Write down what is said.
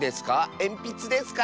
えんぴつですか？